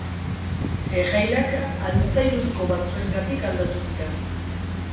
Errailak altzairuzko batzuengatik aldatu dira.